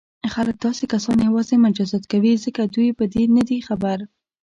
خلک داسې کسان یوازې مجازات کوي ځکه دوی په دې نه دي خبر.